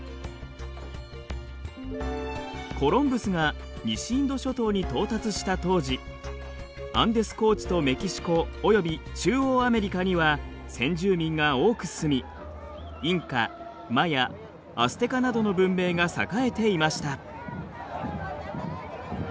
コロンブスが西インド諸島に到達した当時アンデス高地とメキシコ及び中央アメリカには先住民が多く住みインカマヤアステカなどの文明が栄えていました。